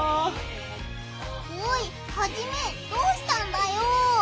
おいハジメどうしたんだよ！